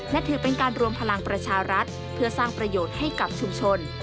และถือเป็นการรวมพลังประชารัฐเพื่อสร้างประโยชน์ให้กับชุมชน